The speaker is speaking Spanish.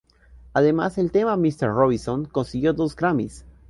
Además, el tema "Mrs.Robinson" consiguió dos grammys.